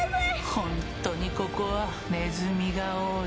ホントにここはネズミが多い。